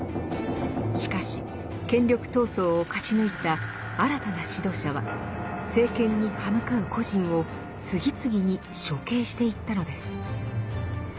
しかし権力闘争を勝ち抜いた新たな指導者は政権に刃向かう個人を次々に処刑していったのです。